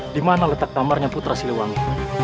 di mana letak kamarnya putra siliwangi